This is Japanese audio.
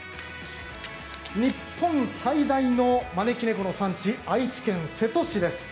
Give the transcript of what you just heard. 日本最大の招き猫の産地愛知県瀬戸市です。